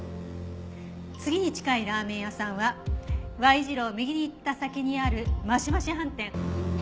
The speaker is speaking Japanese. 次に近いラーメン屋さんはＹ字路を右に行った先にある増増飯店。